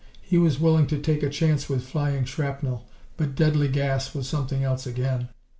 He was willing to take a chance with flying shrapnel, but deadly gas was something else again.